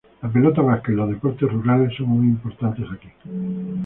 La pelota vasca y los deportes rurales son muy importantes aquí.